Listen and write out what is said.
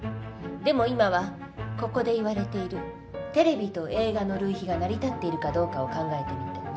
でも今はここで言われているテレビと映画の類比が成り立っているかどうかを考えてみて。